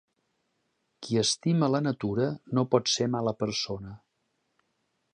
Qui estima la natura no pot ser mala persona.